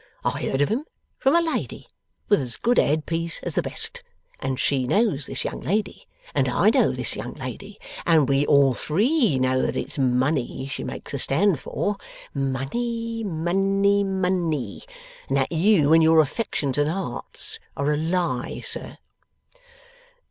I heard of 'em from a lady with as good a headpiece as the best, and she knows this young lady, and I know this young lady, and we all three know that it's Money she makes a stand for money, money, money and that you and your affections and hearts are a Lie, sir!